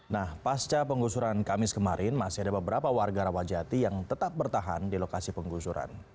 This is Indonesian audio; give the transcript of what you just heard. nah pasca penggusuran kamis kemarin masih ada beberapa warga rawajati yang tetap bertahan di lokasi penggusuran